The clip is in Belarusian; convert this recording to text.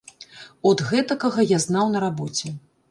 От гэтакага я знаў на рабоце.